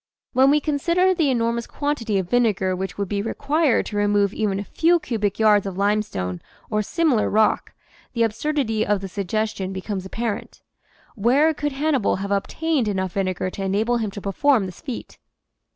When we consider the enor mous quantity of vinegar which would be required to re move even a few cubic yards of limestone or similar rock, the absurdity of the suggestion becomes apparent. Where could Hannibal have obtained enough vinegar to enable him to perform this feat?